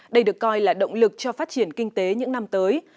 đây được coi là động lực cho phát triển kinh tế những năm tới